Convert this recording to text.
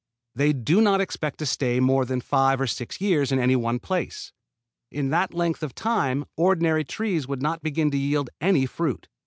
They do not expect to stay more than five or six years in any one place. In that length of time ordinary trees would not begin to yield any fruit.